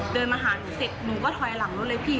เดินมาหาหนูเสร็จหนูก็ถอยหลังรถเลยพี่